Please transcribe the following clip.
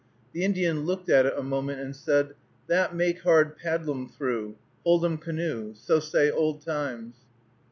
The Indian looked at it a moment and said, "That make hard paddlum thro'; hold 'em canoe. So say old times."